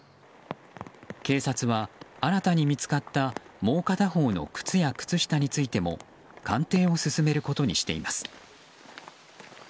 警察は新たに見つかったもう片方の靴や靴下についても鑑定を進めることにしています。